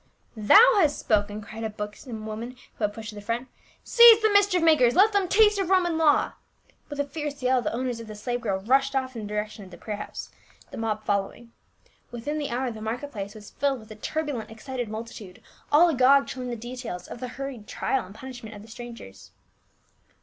" Thou hast spoken !" cried a buxom woman who liad pushed to the front, " Seize the mischief makers, and let them taste of Roman law !" With a fierce yell the owners of the slave girl rushed off in the direction of the prayer house, the mob following. Within the hour the market place was filled with a turburlent excited multitude, all agog to learn the details of the hurried trial and punishment of the strangers.